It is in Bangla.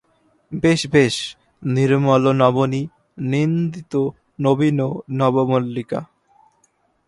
বেশ বেশ– নির্মলনবনীনিন্দিতনবীননবমল্লিকা!